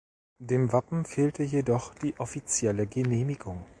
Dem Wappen fehlte jedoch die offizielle Genehmigung.